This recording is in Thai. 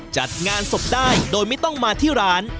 จัดงานศพได้โดยไม่ต้องมาที่ร้าน